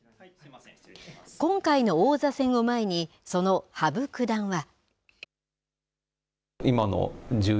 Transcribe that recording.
今回の王座戦を前にその羽生九段は。